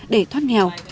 để thoát nghèo